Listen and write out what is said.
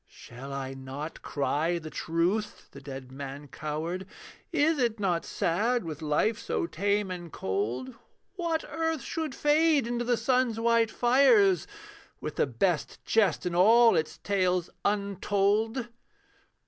Shall I not cry the truth?' the dead man cowered Is it not sad, with life so tame and cold, What earth should fade into the sun's white fires With the best jest in all its tales untold?